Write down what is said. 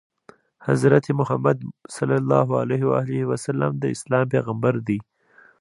حضرت محمد ﷺ د اسلام پیغمبر دی.